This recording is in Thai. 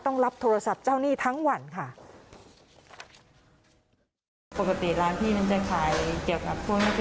ต้องรับโทรศัพท์เจ้าหนี้ทั้งวันค่ะ